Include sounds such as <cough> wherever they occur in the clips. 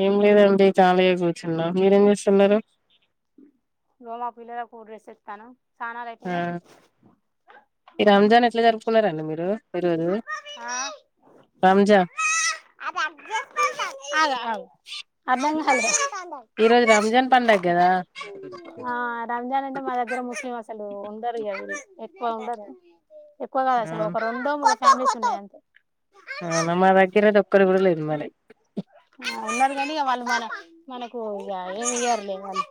ఏం లేదండి ఖాళీగ కూర్చున్నా మీరేం చేస్తున్నారు ఇదిగో మా పిల్లలకు డ్రెస్ ఇస్తాను స్నానాలు ఆ అయిపోయినాయి ఈ రంజాన్ ఎట్లా జరుపుకున్నారండి మీరు ఈరోజు రాంజ అలా అ అ ఈ రోజు రంజాన్ పండుగ కదా ఆ రంజాన్ అంటే మా దగ్గర ముస్లిం అసలు ఉండరు కద ఎక్కువ ఉండరు ఎక్కువ కాదా సరార్ అవును ఒక రెండో మా ఫ్యామిలీస్ ఉంది అంతే ఆ నమ్ అదగిర ద ఒక్కరు గులో ఇ మరి ఆ ఉన్నారు కానీ ఇ వాళ్ళు మన మనకు ఇక ఏమి ఇ్యరులేదుని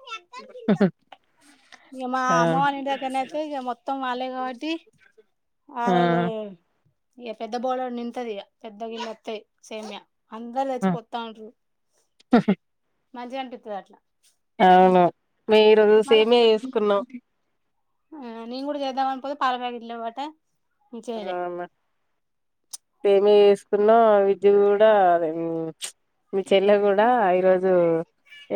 ఇక మా అవును అమ్మవారి ఇంటి దగ్గరన అయితే ఇక మొత్తం వాళ్ాలే కాబట్టి ఆ ఆరద ఇ పెద్ద బౌల్ర్ నింతదియ పెద్దగి మత్త సేమ్య అందరు లేచిపోస్తా ఉంటారు మంచిగా అనిపిస్తుంది అట్లా అవును మేము ఈరోజు మళ్ళా సేమేయ చేసుకున్నాం పాలపాకెట్లో అ సేమియా చూసుకున్నాం విద్య కూడాదే మీ చెల్లె కూడా ఈరోజు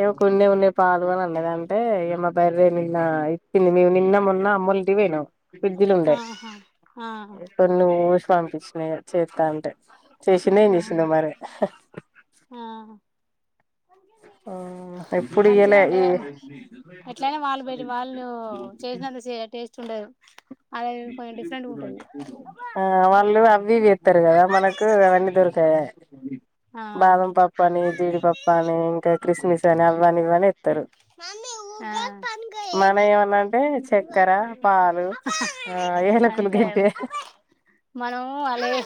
ఏమ కొండే ఉండే పాదు అని అన్నది అంటే ఏ మా బర్రే నిన్న ఇచ్చింది మేము నిన్న మన్న అమ్మ ే ఆహా ఆ కొ నువ్వు పంపించినాయి చేస్తా అంటే చేసిన్నా నిసింద అవునా మరి ఆ ఆ మంచినే ఉంటుది ఎట్లనా వాళ్ళు బట్టి వాళ్ళు ను చేసినంత టేస్ట్ ఉండదు అదే కొంచెం డిఫరెంట్గా ఉంటది ఆ వాళ్ళు అవి చెతారు కదా మనకు అవన్నీ దొరికాయా ఆ బాదం పాప్ప అని జీడిపప్ప అని ఇంకా క్రిస్మిస్ అని అవన్నీ ఇవని మమ్మీ ఊరికే మన ఏమన్నా అంటే చక్కెర పాలు ఆ ఏలకులు అంతే గంతే మనం అలాగే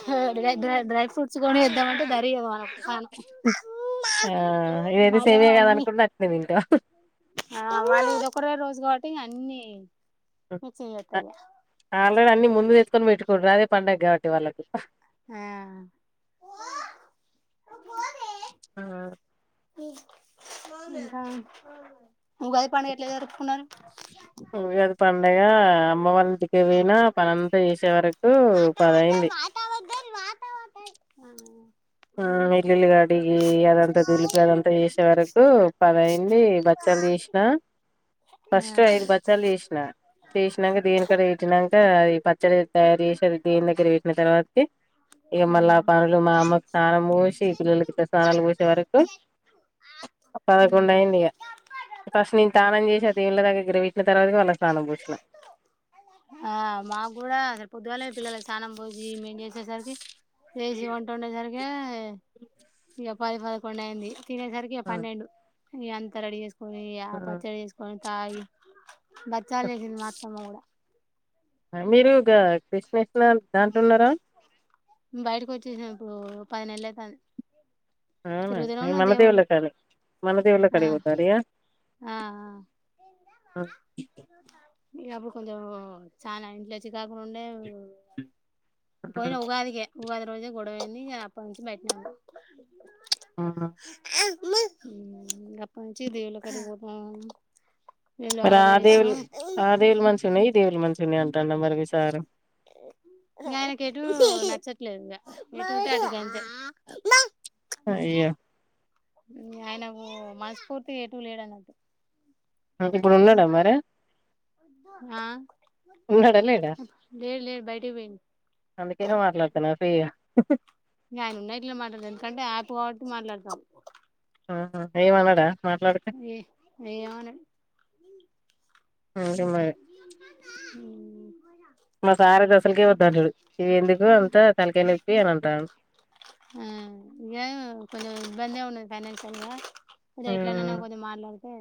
డై ఫ్రూట్స్ కొని వద్దామంటే మనన ఆ ఇదైతే మనం సేమే కదా అన్నీ అనుకుంట అట్నే తింటాం ఆ వాళ్ళు ఇందిొ ఒకరే రోజు కాబట్టి ఇంకా అన్నిీ ఆల్రెడీ అన్ని ముందు తెచ్చుకొని పెట్టుకోరు అదే పండగ కాబట్టి వాళ్ళకి ఆ ఉగాది పండుగ ఎట్లా జరుపుకున్నారు అది పడింగా కుంభవంటికి పోనా పనంతా చేసే వరకు పదైంది ఆ ఇల్లులిగాడికి అదంతా దులిపి అదంతా చేసే వరకు పదైంది బచ్చ ిన ఫస్ట్ ఆ దు బచ్చాలు చేస చేసిన ఇక్కడ ఇట్ాక అది పచ్చడి తయారు చేసారు దేని దగ్గర పెట్టిన తర్వాత ఇ మళ్ళ ఆ పనులు మా అమ్మ స్థానం పూశి పిల్లు క స్ానాలు పూసి వరకు అప్ప అదకండయిడియా ఫస్ట్ నేను స్నానం చేసి దీంళ్ళ దగ్గర వించిన తర్వాత వాళ్ళ స్నానంూషణ ఆ మా కూడా అసలు పొదువే పిల్లల స సాానం పో జీమ్ ఏం చేసేసరికి వసి వంట ఉండేసరికి పది పలికం అయింది తినేసరికి పన్నెండు ఇ అంతా రెడీ చేసుకో కొని ఆ పచ్చడి చేసుకొని తాగి బచ్చాలు చేసింది మత్తమ కూడా ఆ మీరు ఇ కృష్ణేష్ణ దాంట్ ఉన్నారా బయటకు వచ్చేసాం ఇప్పుడు పది నెలలు అవుతుంది అవునా మనదేవళ కడ మన దేవళ కడ ఉతారయా ఆఁ ఆ అ ఇగ అప్పుడు కొంచెమూ చాన ఇంట్ల చికాకులు ఉండే పోయిన ఉగాదికే ఉగాది రోజే గొడవైంది అప్పట్నుంచి బయట్నే ఉన్నం ఆ మ్మూ అప్పనుంచి దేవుళ్ళకటు పోతునం వీళ్ళు మరి ఆడ ఆ వొయొచ్చిన దేవులు ఆ దేవుళు మంచుగున్నయి, ఈ దేవుళు మంచుగున్నాయంటాండా మీ సారు! ఏ ఇంగ ఆయనకు ఎటూ నచ్చట్లేదు ఇంగ ఎటుంటే అటు గంతే. అయ్యో ఇంగ ఆయన ఓ మనస్ఫూర్తి ఎటు లేడన్నట్టు. ఆ ఇప్పుడు ఉన్నడా మరే ఆ ఉన్నడా, లేడా! లేడు లేడు బయటికి పోయిండు అందుకనే మాట్లాడుతున ఫ్రీగా ఇంగ ఆయన ఉన్న గిట్ల మాట్లాడుత, ఎందుకంటే ఆప్ కాబట్టి మాట్లాడుతా ఆ హా ఏం అనడా? ఏ ఏమనడు. అంతే మరి మ్మ్ మ్ మా సారుండి అసలికే వద్దంటడు ఇది ఎందుకు అంతా తలకాయ నొప్పి అని అంటాండు. ఆ ఏమో కొంచెం ఇబ్బందే ఉన్నది ఫైనాల్సియల్గా అదే ఇట్లనన్న కొంచం మాట్లాడితే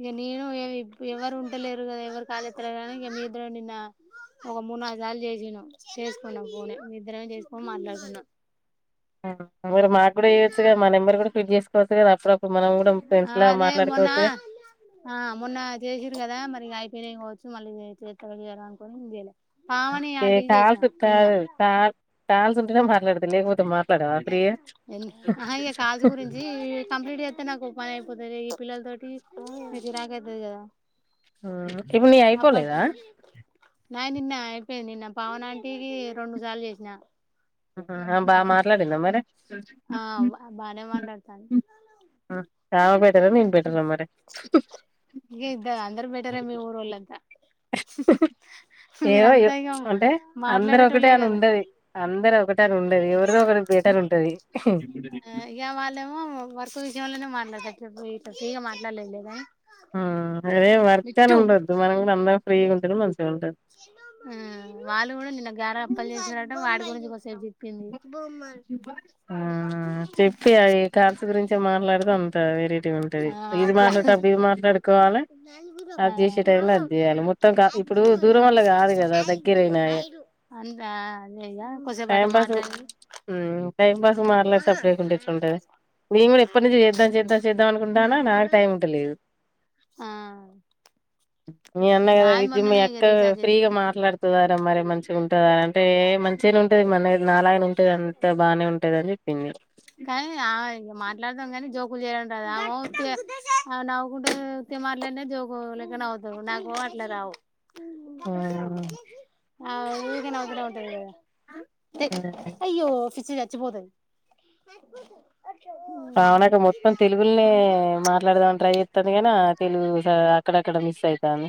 ఇగ నేను ఏం ఇపి ఎవరు ఉంటలేరు గదా ఎవరు కాల్ జేత్తలేరని ఇగ మీ ఇద్దరే నిన్న ఒక మూడ్ నాలు సార్లు చేసినం చేసుకున్నాం ఫోనే మే ఇద్దరమే చేస్కొని మాట్లాడుకున్న ఆ మరి మాక్కూడా చేయోచ్చుగా మా నెంబర్ కూడా ఫిడ్ చేసుకోవచ్చు కదా అప్పుడప్పుడు మనం కూడా ఫ్రెండ్స్ ఆ లా అదే మొన్న మాట్లాడుకోవచ్చుగా! ఆ మొన్న చేసిరు కదా మరి ఇగ అయిపోయినయి కావొచ్చు మళ్ళీ చేతరో చెయరో అనుకొని జెయలే. ఓకే కాల్స్ కాదు కా కాల్స్ ఉంటేనే మాట్లాడతా లేకపోతే మాట్లాడవా ఫ్రీగా అఁ హా ఇగ కాల్స్ గురించి కంప్లీట్ చేత్తే నాకు ఓ పని పొతది ఈ పిల్లల తోటి చిరాకయితది కదా. ఆ ఇప్పుడు నీయియ అప్పట్ అయిపోలేదా? నాయి నిన్న అయిపోయినయి నిన్న పావని ఆంటికి రెండు సార్లు చేసిన. ఆమె బాగ మాట్లాడింద మరి. ఆ బానే మాట్లాడతాను ఆమ బెటరా నేను బెటరా మరి? ఇగ ఇద్ద అందరు బెటరే మీ ఊరోళ్లంతా. ఏవో యో ఇక ప్చ్ అంటే అందరు ఒకటే మాట్లాడేటోళ్ళే అని కదా ఉండది అందరు ఒకటని ఉండది ఎవరిదో ఒకరి బెటర్ ఉంటది. ఆ ఇగ వాళ్ళేమో వర్క్ విషయంలోనే మాట్లాడతరు తక్కి వి ఫ్రిగా మాట్లాడలేదు లే గాని అదే వర్క్ అని ఉండద్దు మనం కూడా అందరం ఫ్రీగా ఉంటడం మంచిగా ఉంటది ఆ వాళ్ళు కూడా నిన్న గారే అప్పలు చేసిరట వాటి గురించి కొది చేపిచ్చింది ఆ చెప్పు ఇగా ఈ కాల్స్ గురించె మాట్లాడుతే అంత వేరే ఉట్టిగుంటది ఆ ఇది అట్లా మాట్లాడెటప్పుడు ఇది మాట్లాడుకోవాలే, అది జేసే టైం లో అది చేయాలి మొత్తం కా ఇప్పుడు దూరం వల్ల కాదు కదా దగ్గరయినాయే అందా జెయ కొద్దిసేపు నెంబర్సు మ్మ్ టైం పాస్ మాట్లాడి సప్పుడ చేయకుండ ఉంటే ఎట్లుంటదే, మేం గూడ ఇప్పటి నుంచి చేద్దాం చేద్దాం చేద్దాం అనుకుంటానా నాకు టైం ఉంటలేదు. ఆఁ మీ అన్న గదా విజ్జి మీ అక్క ఫ్రీగా చేసుకున్నా మాట్లాడు స్తదరా మరి మంచిగా ఉంటదారా అంటే, ఏ మంచిగనే ఉంటది మన నాలాగనే ఉంటది అంతా బానే ఉంటది. టని చెప్పింది. కానీ ఆమె ఇగ మాట్లాడుతం కాని జోకులు చేయలంటరు ఆమో ఉత్తిగా నవ్వుకుంట ఉత్తిగా మాట్లాన్న జోకులేక్క నవ్వుతారు నాకు అట్లా రావు ఆ అవ్ ఉరికనే నవ్వు తానే ఉంటది గదా హెయ్ హ్మ్. అయ్యో పి పిచ్చి చచ్చిపోతది అవనక్క మొత్తం తెలుగులనే మాట్లాడదామని ట్రై చేత్తాను గాని ఆ తెలుగు అక్కడక్కడ మిస్ అయితాను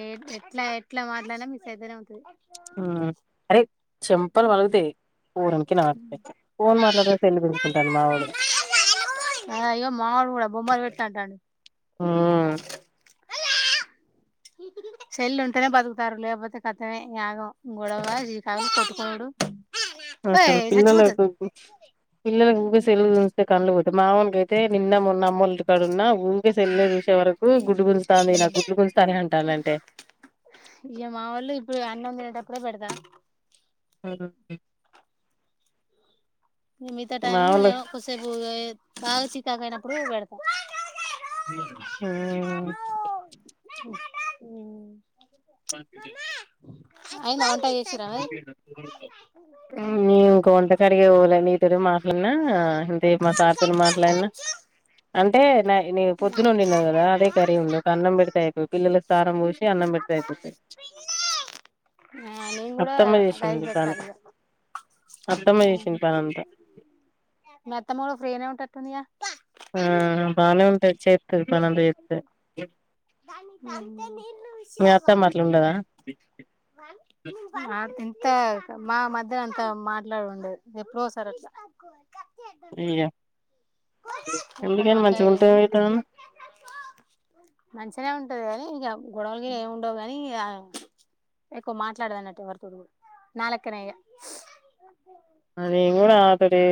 ఏ ఎట్లా ఎట్లా మాట్లాన్న మిస్ అయితానే ఉంటది ఆ అరే చెంపల్ పలుగుతాయ్ పోరొన్ కి నాకి ఫోన్ మాట్లాడత సెల్లు గుంజుకుంటాడు మావాడు ఆ ఇగొ మా వోడు కూడా గూడా బొమ్మ లు వెట్టు అంటాండు ఆ సెల్లు ఉంటేనే బతుకుతారు లేకపోతే కతమే యాగం గొడవ జీకా కొట్టుకోడు ఆసలు పిల్లలకు పిల్లలకు ఊరోకే సెల్లు చూస్తే కండ్లు పోతాయ్ మావోనికైతే నిన్న మొన్న అమ్మొల్ల ఇంటికాడ ఉన్నా ఊకే సెల్లే చూసే వరకు గుడ్డు గుంజుతాంది నాకు గుడ్లు గుంజుతాన్నాయ్ అంటాందంటే ఇగ మా వాళ్ళు ఇప్పుడు అన్నం తినేటప్పుడే పెడతాను అ ఇంగ్ మిగతా టైం ఏమో కొసేపు బాగా చికాక అయినప్పుడు పెడతా ఆ ఉహు త అయిందా చేసిర్రా మరి నేను ఇంకా వంట <unintelligible> వోల నీతొనే మాట్లాన్నా ఇంత సేపు మా సార్ తోను మాట్లాన్నా అంటే నా నీ పొద్దున ఉండినావ్ గదా అదే కర్రీ ఉంది ఉక అన్నం బెడితే అయిపాయ్ పిల్లొల్లకు స్తానం పూసి అన్నం పెడితే అయిపొతాయ్ ఆ నేను కూడా అత్తమ్మ రైస్ జేసింది పని పెట్టాలి అత్తమ్మ ఇగ జేసింది పని అంతా మీ అత్తమ్మ గూడ ఫ్రీనే ఉండెటట్టుందిగా ఆ బానే ఉంటది చేత్తాది పనంతా చేత్తాది అట్లా ఉండదా ఊ నాకింకా మా మధ్య అంత మాట్లాడె ఉండదు ఎప్పుడోసారి అట్లా ఇగ ఎక్కువ ఎందుకైన మంచిగుంటే ఏమైతాదమ్మ మంచినే ఉంటది గని ఇగ గొడవలుగని ఏమి ఉండవు గాని ఇంగ ఎక్కువ మాట్లాడదం అన్నట్టు ఎవరి తోడు గూడా నాలెక్కనే ఇగ ఆ నేను గూడా ఆమ తోటి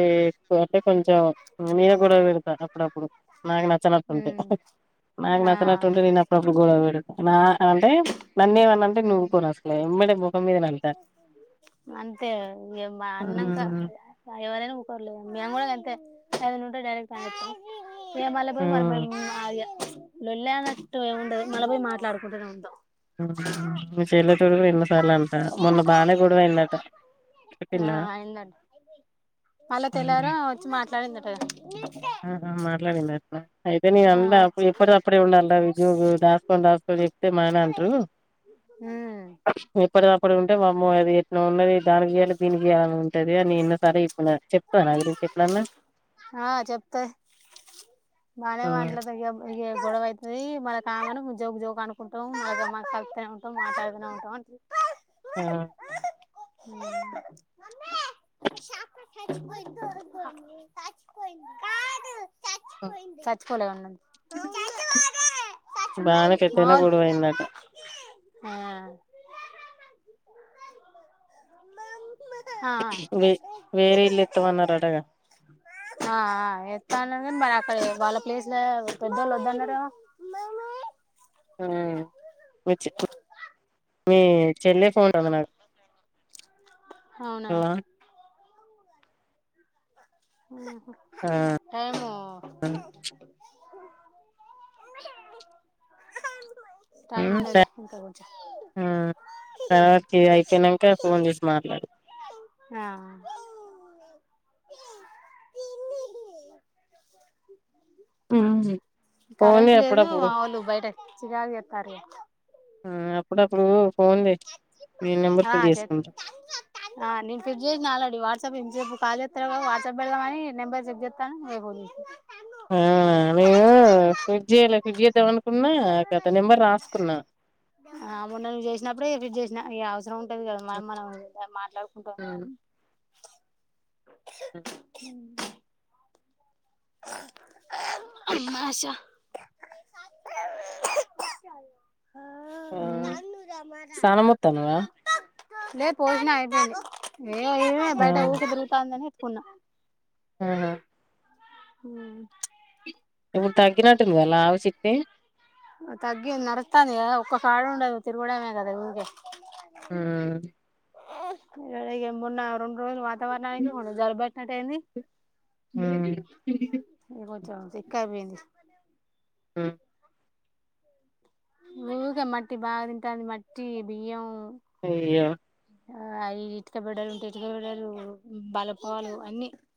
అంటే కొంచెం నేనె గొడవ పెడతా అప్పుడప్పుడు నాకు నచ్చినట్టుంటే నాకు ఉమ్ ఆ నచ్చినట్టుంటే నేను అప్పుడప్పుడు గొడవ పెడుత నా అంటే నన్నేమన్నాంటే ఉమ్ నువ్వుకొను అసలే మడి అంతే గదా ఇంగేమ్ మా అన్నం క ఎవరైనా ఒకోరులే మీ అమ్మ గుడక అంతే ఏదైన ఉంటే డైరెక్ట్ అనిత్తాం మ్మ్ <unintelligible> ఊ మీ సెల్లి తో గూడా ఎన్నొ సార్లు అంటా మొన్న బానే గొడవ అయిందట చెప్పింద మళ్లా తెల్లార వచ్చి మాట్లాడిందటగా ఆహా మట్లాడిందట్న అయితే ఆ నేను అప్పు వచ్చి ఎప్పుటి అప్పుడే ఉండాలిరా విజయో దాసుకొని దాసుకొని చెప్తే మాన అంటారు ఇ ఎప్పడిదప్పుడు ఉంటే వామ్మో అది ఎట్ల ఉన్నది దానికి జెయ్యల్ల దీనికి జెయ్యల్ల అని ఉంటది అని ఎన్నో సార్లు జెప్పినా చెప్తాదా నా గురించి ఎప్పుడన్నా ఆ చెప్తాయి బానే హ్మ్. మాట్లాత ఇ గొడవ అతుంది మన కామె జోగు జోగు అనుకుంటాం మ మా కతనే ఉంటాం మాట్డుతూనే ఉంటాం అ <inaudible> ఆ హ <inaudible> చపోయిచపోయి కా <unintelligible> చచ్చిపోలే ఉండంది బానే పెద్దైన గోడవయిందట ఆ ఆ. వే వేరేల్లు ఇత్తమన్నారు అట కదా ఆ ఆ ఇత్త అన్నరు కాని అక్కడ వాళ్ళ ప్లేస్ల పెద్దోళ్ళు వద్దన్నారేమో ఉమ్ మీ చెల్లె ఫోన్ అందన అవునా ఆ ఏమో <inaudible> టైమ్ ఉన్నాదిలే ఇంకా కొంచం ఆ తర్వాట్కి అయిపోనాక ఫోన్ చేసి మాట్లాడు ఆ ఆ కరెంట్ లేదు మా వాళు బయట చికాకు చేస్తార్రూ అప్పుడు అప్పుడు ఫోన్ చే మీ నెంబర్ ఆ కు చెప్ చేసుకుంటాను. ఆ నిన్ ఫీట్ చేసిన ఆల్రెడీ వాట్సాప్ ఇన్సేు కాల్ చేతవమో వాట్సప్ పెడుత్దామీ న్ నెంబర్ చెక్ చేతనా నీవే ఫోన్చేసినవు ఆ నేను పీట్ చేయలే పీట్ చెందామని ఆ మొన్న నువ్వు చేసినప్పుడే లిఫ్ట్ చేసిన ఈ అవసరం అంటది కదా మ మనం మాట్లాడుకుంటాం కదని అమాషా ఆ ఉం స్నానం పోతన్నావా లేదు పోజిన అయిపోయింది ఏ అయి బయట అవును ఊకి దిరుగుతాందని ఎట్టుకున్నాం ఆహా మ్మ్ ఇప్పుడు తగ్గినట్టు ఉంది కదా లావు చిన్ని తగ్గిది నడుస్తాంది కదా ఒక్క కాడు ఉండదు తరుగుడమే గద ఊకె ఆ ఇవగ మొన్న రెండు రోజులు మా వర యితే యిపోవు జలుబు బెట్టనా టయింది ఉమ్ ఏ చ ఇక్కపోంది ఉమ్ ఊగే మట్టి బాగా తింటాంది మట్టి బియ్యం అయ్యో ఆ అవి ఇటుకబిడ్డలు ఉంటే ఇటుకబిడ్డలు బలపలు అన్ని